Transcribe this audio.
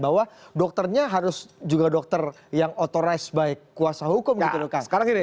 bahwa dokternya harus juga dokter yang authorized by kuasa hukum gitu dong kang